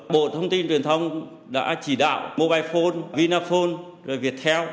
bộ thông tin truyền thông đã chỉ đạo mobile phone vina phone viettel